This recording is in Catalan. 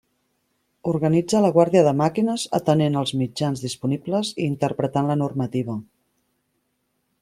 Organitza la guàrdia de màquines, atenent els mitjans disponibles i interpretant la normativa.